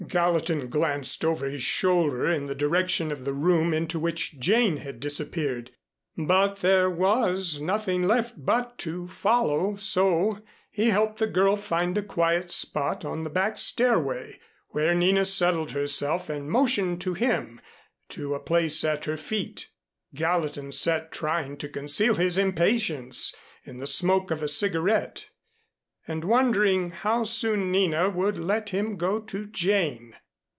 Gallatin glanced over his shoulder in the direction of the room into which Jane had disappeared, but there was nothing left but to follow, so he helped the girl find a quiet spot on the back stairway where Nina settled herself and motioned to him to a place at her feet. Gallatin sat trying to conceal his impatience in the smoke of a cigarette, and wondering how soon Nina would let him go to Jane.